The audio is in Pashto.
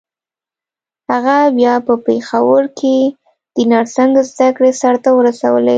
هغه بيا په پېښور کې د نرسنګ زدکړې سرته ورسولې.